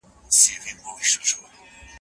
ښوونکي تر اوسه په مورنۍ ژبه تدریس کوي.